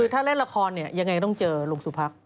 ถ้าเล่นละครเนี่ยยังไงต้องเจอลุงสุพัก